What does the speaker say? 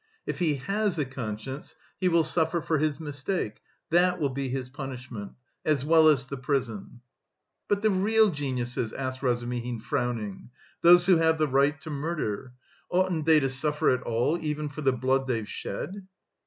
"If he has a conscience he will suffer for his mistake. That will be his punishment as well as the prison." "But the real geniuses," asked Razumihin frowning, "those who have the right to murder? Oughtn't they to suffer at all even for the blood they've shed?"